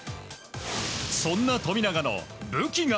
そんな富永の武器が。